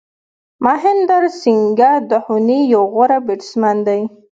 مهندر سنگھ دهوني یو غوره بېټسمېن دئ.